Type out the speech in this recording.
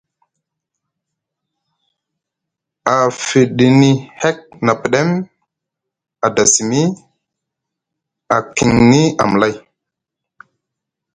A fiɗini hek na pɗem, a da simi, a kiŋni amlay.